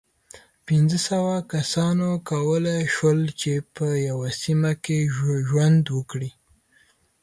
پينځو سوو کسانو کولی شول، چې په یوه سیمه کې ژوند وکړي.